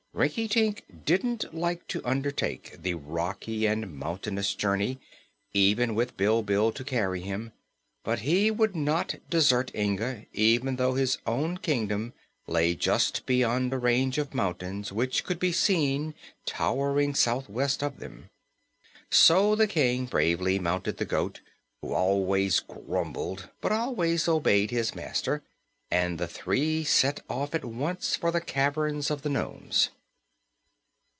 Rinkitink didn't like to undertake the rocky and mountainous journey, even with Bilbil to carry him, but he would not desert Inga, even though his own kingdom lay just beyond a range of mountains which could be seen towering southwest of them. So the King bravely mounted the goat, who always grumbled but always obeyed his master, and the three set off at once for the caverns of the nomes.